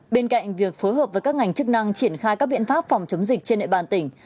bên cạnh việc phối hợp với các ngành chức năng triển khai các biện pháp phòng chống dịch trên địa bàn tỉnh